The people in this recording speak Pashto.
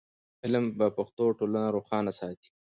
علم په پښتو ټولنه روښانه ساتي.